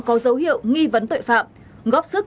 có dấu hiệu nghi vấn tội phạm góp sức